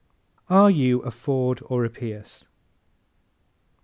Are You a Ford or a Pierce?